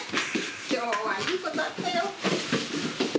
今日は、いいことあったよ。